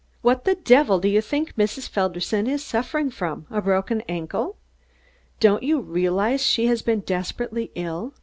"What the devil do you think Mrs. Felderson is suffering from, a broken ankle? Don't you realize she has been desperately ill?